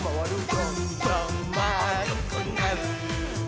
「どんどんまあるくなる！」